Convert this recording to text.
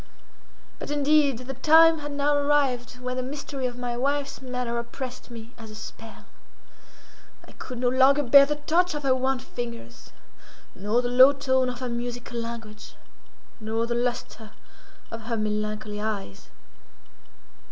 But, indeed, the time had now arrived when the mystery of my wife's manner oppressed me as a spell. I could no longer bear the touch of her wan fingers, nor the low tone of her musical language, nor the lustre of her melancholy eyes.